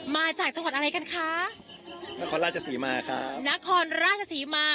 มาจากจังหวัดอะไรกันคะนครราชศรีมาครับนครราชศรีมา